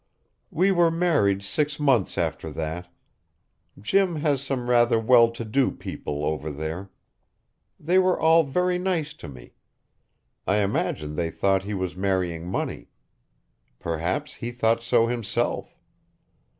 "We were married six months after that. Jim has some rather well to do people over there. They were all very nice to me. I imagine they thought he was marrying money. Perhaps he thought so himself.